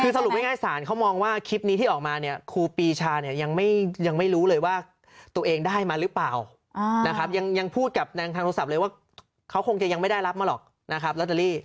คือสรุปง่ายสารเขามองว่าคลิปนี้ที่ออกมาเนี่ยครูปีชาเนี่ยยังไม่รู้เลยว่าตัวเองได้มาหรือเปล่านะครับยังพูดกับนางทางโทรศัพท์เลยว่าเขาคงจะยังไม่ได้รับมาหรอกนะครับลอตเตอรี่